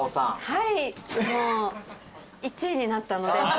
はいもう１位になったので。